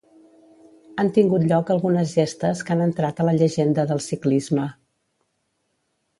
Han tingut lloc algunes gestes que han entrat a la llegenda del ciclisme.